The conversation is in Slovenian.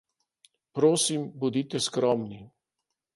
Prosim, bodite skromni.